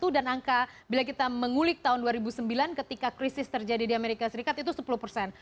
angka bila kita mengulik tahun dua ribu sembilan ketika krisis terjadi di amerika serikat itu sepuluh persen